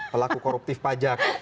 pelaku koruptif pajak